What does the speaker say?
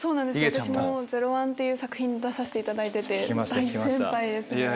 私も『ゼロワン』っていう作品に出させていただいてて大先輩ですもう。